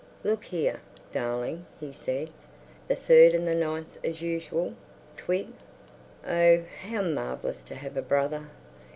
"Look here, darling," he said. "The third and the ninth as usual. Twig?" Oh, how marvellous to have a brother!